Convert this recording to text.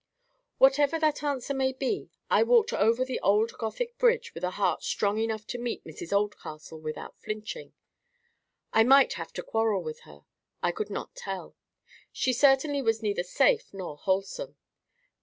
Whatever that answer may be, I walked over the old Gothic bridge with a heart strong enough to meet Mrs Oldcastle without flinching. I might have to quarrel with her—I could not tell: she certainly was neither safe nor wholesome.